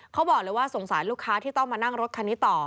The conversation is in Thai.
เขาบอกเลยว่าสงสารลูกค้าที่ต้องมานั่งรถคันนี้ต่อ